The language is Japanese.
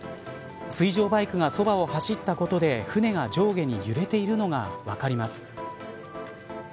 水上バイクがそばを走ったことで船が上下に揺れているのが分かります。